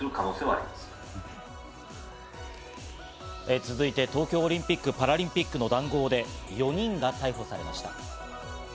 続いて、東京オリンピック・パラリンピックの談合で４人が逮捕されました。